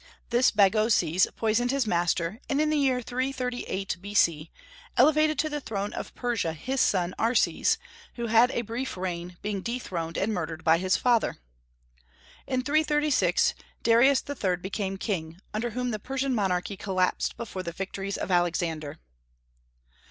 This Bagoses poisoned his master, and in the year 338 B.C. elevated to the throne of Persia his son Arses, who had a brief reign, being dethroned and murdered by his father. In 336 Darius III. became king, under whom the Persian monarchy collapsed before the victories of Alexander.